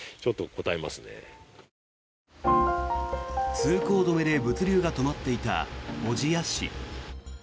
通行止めで物流が止まっていた小千谷市。